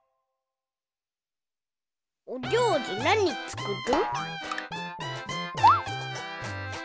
おりょうりなにつくる？